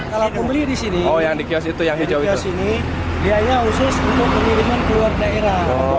kalau pembeli di sini di kiosk ini dia khusus untuk pengiriman keluarga